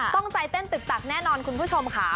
ต้องใจเต้นตึกตักแน่นอนคุณผู้ชมค่ะ